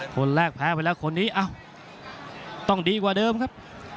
คนแรกแพ้ไปแล้วคนนี้ต้องดีกว่าเดิมครับ